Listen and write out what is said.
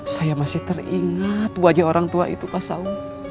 saya masih teringat wajah orang tua itu pak sau